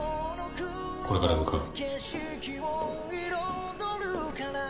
これから向かう。